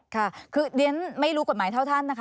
ค่ะคือเรียนไม่รู้กฎหมายเท่าท่านนะคะ